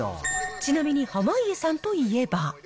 ちなみに濱家さんといえば。